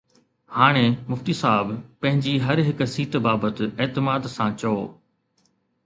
هاڻي مفتي صاحب پنهنجي هر هڪ سيٽ بابت اعتماد سان چئو